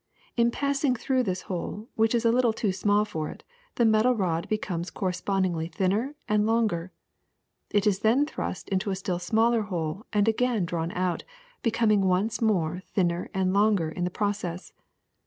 In passing through this hole, which is a little too small for it, the metal rod becomes cor respondingly thinner and longer. It is then thrust into a still smaller hole and again drawn out, becom ing once more thinner and longer in the process.